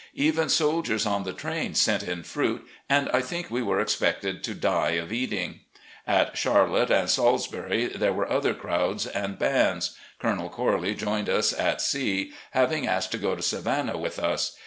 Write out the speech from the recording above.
Even soldiers on the train sent in fruit, and I tbink we were expected to die of eating. At Charlotte and Salis bi^ there were other crowds and bands. Colonel Corley joined us at C., having asked to go to Savannah with us.